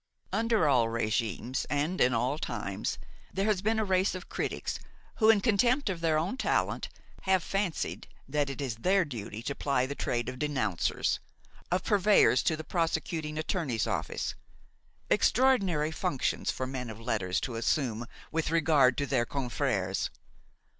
Under all régimes and in all times there has been a race of critics, who, in contempt of their own talent, have fancied that it was their duty to ply the trade of denouncers, of purveyors to the prosecuting attorney's office; extraordinary functions for men of letters to assume with regard to their confrères!